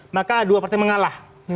maka dua partai mengalah